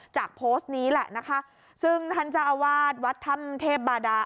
โพสต์นี้แหละนะคะซึ่งท่านเจ้าอาวาสวัดถ้ำเทพบาดา